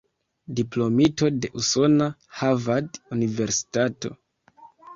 Diplomito de usona Harvard-universitato.